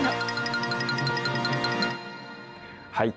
はい。